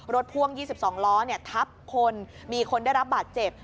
พ่วง๒๒ล้อทับคนมีคนได้รับบาดเจ็บ